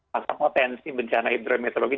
maka potensi bencana hidrometeorologi